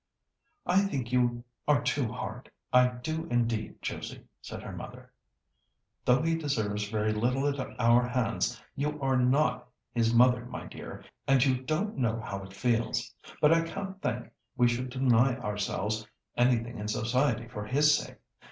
"I think you are too hard; I do indeed, Josie!" said her mother, "though he deserves very little at our hands. You are not his mother, my dear, and you don't know how it feels. But I can't think we should deny ourselves anything in society for his sake.